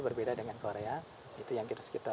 berbeda dengan korea itu yang harus kita